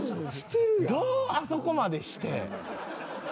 どうあそこまでして。